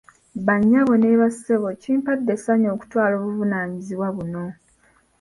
Bannyabo ne bassebo kimpadde ensanyu okutwala obuvunaanyizibwa buno.